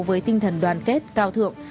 với tinh thần đoàn kết cao thượng